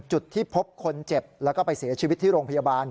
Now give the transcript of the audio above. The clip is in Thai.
จุดที่พบคนเจ็บแล้วก็ไปเสียชีวิตที่โรงพยาบาล